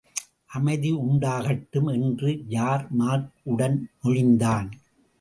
அமைதியுண்டாகட்டும்! என்று யார்மார்க் உடன் மொழிந்தான்.